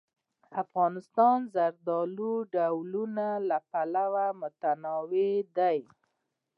افغانستان د زردالو د ډولونو له پلوه متنوع دی.